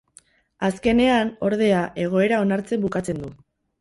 Azkenean, ordea, egoera onartzen bukatzen du.